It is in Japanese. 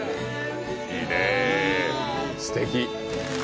いいねぇすてき！